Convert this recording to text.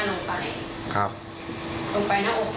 แล้วได้ยินก่อนที่เขาจากโบ้งหน้าลงไป